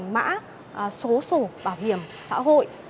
mã số sổ bảo hiểm xã hội